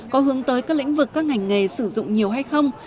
có hướng tới các lĩnh vực các ngành nghề sử dụng nhiều hay không